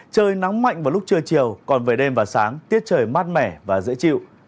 trời nắng mạnh vào lúc trưa chiều còn về đêm và sáng tiết trời mát mẻ và dễ chịu